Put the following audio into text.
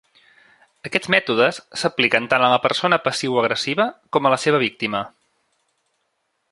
Aquests mètodes s'apliquen tant a la persona passivoagressiva com a la seva víctima.